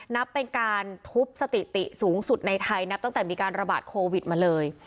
นับเป็นการทุบสถิติสูงสุดในไทยนับตั้งแต่มีการระบาดโควิดมาเลย